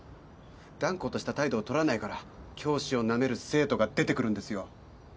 断固とした態度を取らないから教師をなめる生徒が出てくるんですよ。